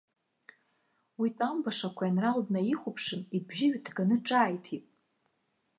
Уи тәамбашақә аинрал днаихәаԥшын, ибжьы ҩыҭганы ҿааиҭит.